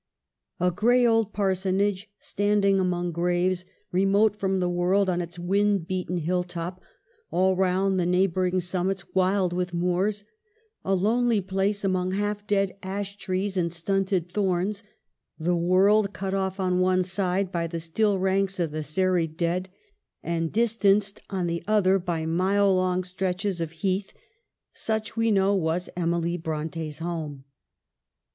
A gray old Parsonage standing among graves, remote from the world .on its wind beaten hill top, all round the neighboring summits wild with moors; a lonely place among half dead ash trees and stunted thorns, the world cut off on one side by the still ranks of the serried dead, and distanced on the other by mile long stretches of heath : such, we know, was Emily Brontes home.